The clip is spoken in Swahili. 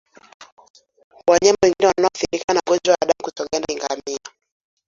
Wanyama wengine wanaoathirika na ugonjwa wa damu kutoganda ni ngamia